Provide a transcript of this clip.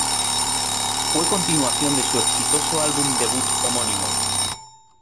Fue continuación de su exitoso álbum debut homónimo.